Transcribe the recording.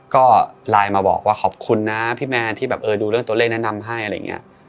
ก็ไลน์มาบอกว่าขอบคุณนะพี่แมนที่แบบเออดูเรื่องตัวเลขแนะนำให้อะไรอย่างนี้